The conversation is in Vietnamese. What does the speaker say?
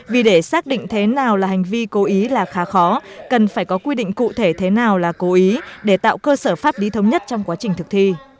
vì để xác định thế nào là hành vi cố ý là khá khó cần phải có quy định cụ thể thế nào là cố ý để tạo cơ sở pháp lý thống nhất trong quá trình thực thi